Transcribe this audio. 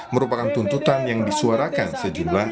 merupakan tuntutan yang disuarakan sejumlah